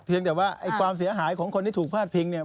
แต่ว่าไอ้ความเสียหายของคนที่ถูกพาดพิงเนี่ย